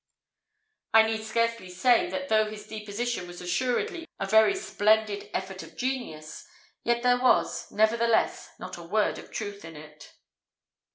I need scarcely say, that though his deposition was assuredly a very splendid effort of genius, yet there was, nevertheless, not a word of truth in it.